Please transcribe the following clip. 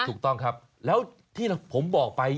ถูกต้องครับแล้วที่ผมบอกไป